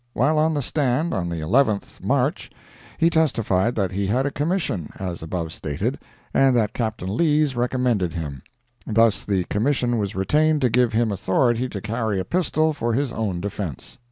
While on the stand, on the 11th March, he testified that he had a commission, as above stated, and that Captain Lees recommended him; thus the commission was retained to give him authority to carry a pistol for his own defense.